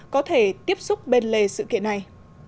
có thể tiếp xúc bên lề sự kiện này